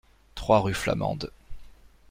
trois rue Flamande